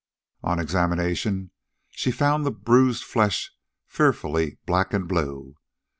On examination she found the bruised flesh fearfully black and blue.